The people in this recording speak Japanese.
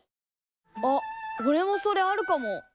あっおれもそれあるかも。